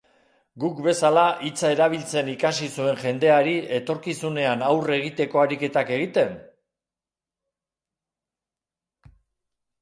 Guk bezala hitza erabiltzen ikasi zuen jendeari etorkizunean aurre egiteko ariketak egiten?